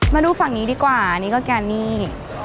มาดูฝั่งนี้ดีกว่านี่คือแก้นหนี้